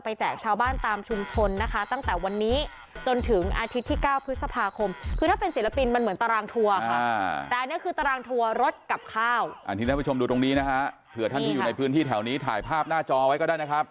เผื่อท่านที่อยู่ที่ที่แถวนี้ถ่ายเมืองภาพหน้าจอไว้ก็ได้นะครับ